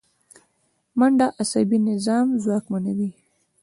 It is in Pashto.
منډه عصبي نظام ځواکمنوي